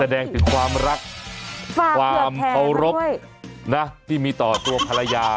แสดงถึงความรักฝากเที่ยงแท้กันด้วยความภาวรบนะที่มีต่อตัวภรรยา